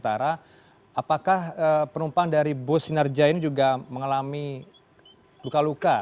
apakah penumpang dari bus sinarja ini juga mengalami luka luka